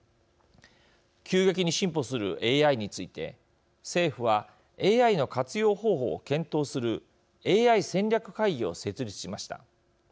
急激に進歩するＡＩについて政府は、ＡＩの活用方法を検討するＡＩ戦略会議を設立しました。